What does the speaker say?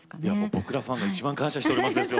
僕らファンが一番感謝しておりますですよ